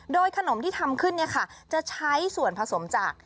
โดยขนมที่ทำขึ้นจะใช้ส่วนผสมจาก